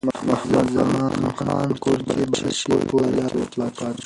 محمدزمان خان قورچي باشي په لاره کې وفات شو.